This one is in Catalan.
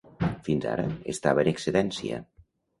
Fins ara estava en excedència.